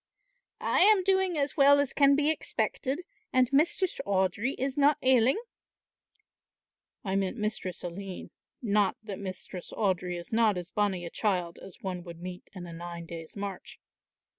"I am doing as well as can be expected, and Mistress Audry is not ailing." "I meant Mistress Aline, not that Mistress Audry is not as bonnie a child as one would meet in a nine days' march."